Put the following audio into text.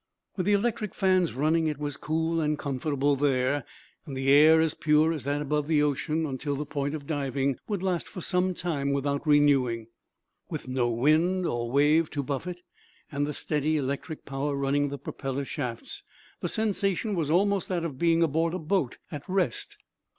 With the electric fans running it was cool and comfortable there, and the air, as pure as that above the ocean until the point of diving, would last for some time without renewing. With no wind or, wave to buffet, and the steady electric power running the propeller shafts, the sensation was almost that of being aboard a boat at rest.